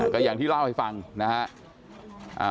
ก็อย่างที่เล่าให้ฟังนะฮะ